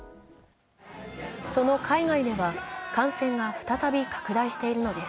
その海外では感染が再び拡大しているのです。